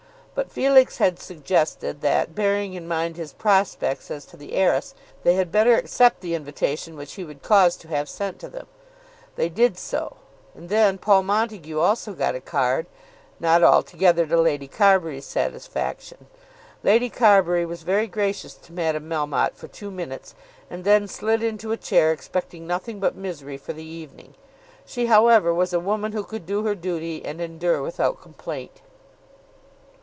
But Felix had suggested that, bearing in mind his prospects as to the heiress, they had better accept the invitation which he would cause to have sent to them. They did so; and then Paul Montague also got a card, not altogether to Lady Carbury's satisfaction. Lady Carbury was very gracious to Madame Melmotte for two minutes, and then slid into a chair expecting nothing but misery for the evening. She, however, was a woman who could do her duty and endure without complaint.